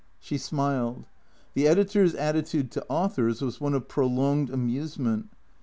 She smiled. The editor's attitude to authors was one of prolonged amusement.